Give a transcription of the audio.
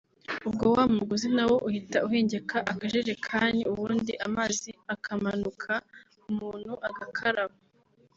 ubwo wa mugozi nawo uhita uhengeka akajerikani ubundi amazi akamanuka umuntu agakaraba